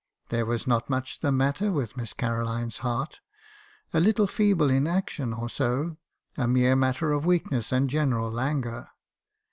There was not much the matter with Miss Caroline's heart ; a little feeble in action or so , a mere matter of weakness and general languor.